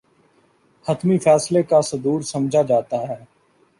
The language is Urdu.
حتمی فیصلے کا صدور سمجھا جاتا ہے